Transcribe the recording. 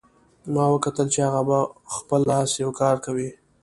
ما وکتل چې هغه په خپل لاس یو کار کوي